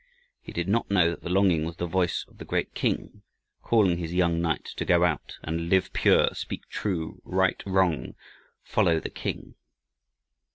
He did not know that the longing was the voice of the great King calling his young knight to go out and "Live pure, speak true, right wrong, follow the King."